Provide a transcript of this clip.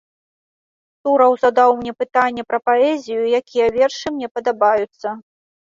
Тураў задаў мне пытанне пра паэзію, якія вершы мне падабаюцца.